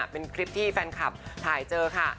เป็นคลิปที่แฟนคลับถ่ายเจอค่ะ